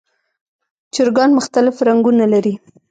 چرګان مختلف رنګونه لري.